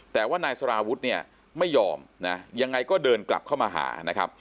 แต่ว่านายสารวุฒิเนี่ยไม่ยอมนะยังไงก็เดินกลับเข้ามาหานะครับ